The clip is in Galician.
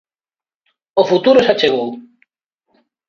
O futuro xa chegou.